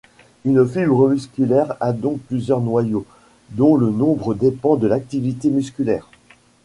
Une fibre musculaire a donc plusieurs noyaux, dont le nombre dépend de l'activité musculaire.